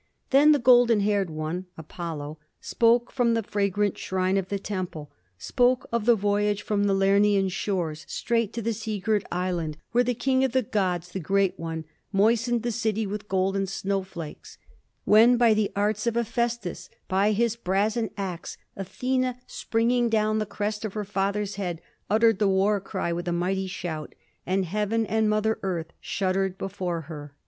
"Then the golden haired one (Apollo) spoke from the fragrant shrine of the temple, spoke of the voyage from the Lernæan shores straight to the sea girt island where the king of the gods, the great one, moistened the city with golden snowflakes, when by the arts of Hephæstus, by his brazen ax, Athena springing down the crest of her father's head, uttered the war cry with a mighty shout, and Heaven and Mother Earth shuddered before her."